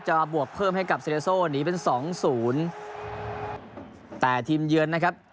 มาบวกเพิ่มให้กับเซเลโซ่หนีเป็นสองศูนย์แต่ทีมเยือนนะครับ